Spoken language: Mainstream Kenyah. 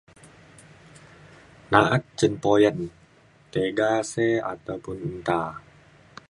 na’at cin puyan tiga se ataupun nta